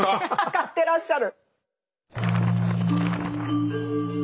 買ってらっしゃる。